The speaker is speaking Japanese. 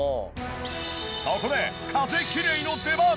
そこで風きれいの出番。